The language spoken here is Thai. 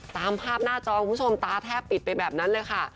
ตามภาพหน้าจอคุณผู้ชมตาแทบปิดไปแบบนั้นเลยค่ะ